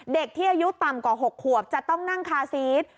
เด็กที่อายุต่ำกว่า๖ขวบจะต้องนั่งคาซีส